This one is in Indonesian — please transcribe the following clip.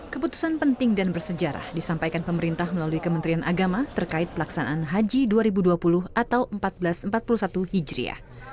keputusan penting dan bersejarah disampaikan pemerintah melalui kementerian agama terkait pelaksanaan haji dua ribu dua puluh atau seribu empat ratus empat puluh satu hijriah